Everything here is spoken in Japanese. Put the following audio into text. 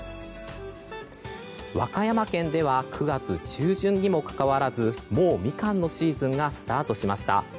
和歌山県では９月中旬にもかかわらずもうミカンのシーズンがスタートしました。